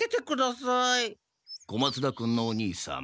小松田君のお兄さん。